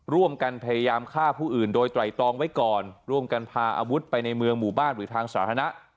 ร่วมกันพยายามฆ่าผู้อื่นโดยไตรตองไว้ก่อนร่วมกันพาอาวุธไปในเมืองหมู่บ้านหรือทางสาธารณะ